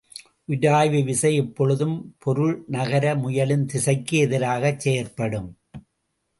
உராய்வு விசை எப்பொழுதும் பொருள் நகர முயலும் திசைக்கு எதிராகச் செயற்படும்.